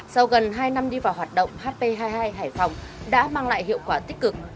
sau gần hai năm đi vào hoạt động hp hai mươi hai hải phòng đã mang lại hiệu quả tích cực